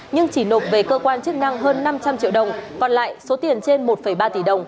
nhưng chỉ nộp về cơ quan chức năng hơn năm trăm linh triệu đồng còn lại số tiền trên một ba tỷ đồng